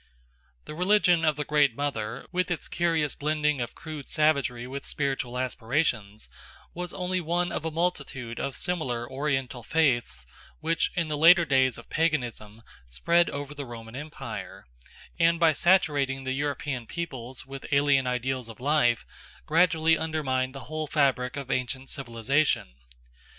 The religion of the Great Mother, with its curious blending of crude savagery with spiritual aspirations, was only one of a multitude of similar Oriental faiths which in the later days of paganism spread over the Roman Empire, and by saturating the European peoples with alien ideals of life gradually undermined the whole fabric of ancient civilisation.